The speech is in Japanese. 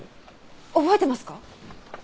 覚えてますか？